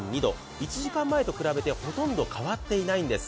１時間前と比べてほとんど変わっていないんです。